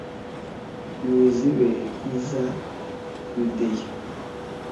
nizibe iza yudeya